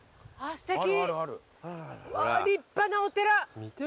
すてき。